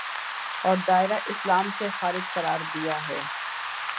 اور دائرۂ اسلام سے خارج قرار دیا ہے